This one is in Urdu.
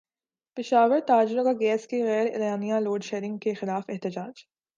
پشاور تاجروں کا گیس کی غیر اعلانیہ لوڈشیڈنگ کیخلاف احتجاج